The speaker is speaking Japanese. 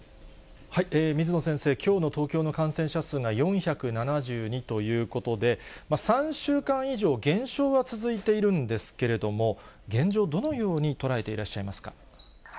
水野先生、きょうの東京の感染者数が４７２ということで、３週間以上、減少は続いているんですけれども、現状、どのように捉えていらっしゃいますか？